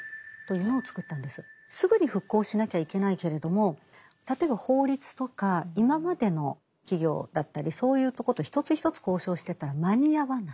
すぐに復興しなきゃいけないけれども例えば法律とか今までの企業だったりそういうとこと一つ一つ交渉してったら間に合わない。